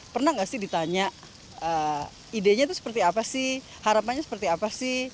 pernah nggak sih ditanya idenya itu seperti apa sih harapannya seperti apa sih